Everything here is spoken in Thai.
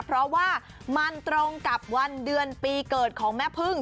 เพราะว่ามันตรงกับวันเดือนปีเกิดของแม่พึ่ง